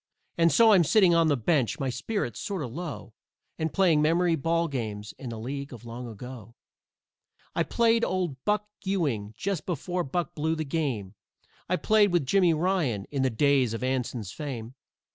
And so I'm sitting on the bench, my spirits sort o' low, And playing memory ball games in the League of Long Ago. I played with Old Buck Ewing just before Buck blew the game, I played with Jimmy Ryan in the days of Anson's fame.